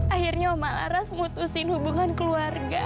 akhirnya om malaras mutusin hubungan keluarga